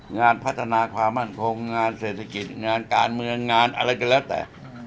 งานพัฒนาความมั่นคงงานเศรษฐกิจงานการเมืองงานอะไรก็แล้วแต่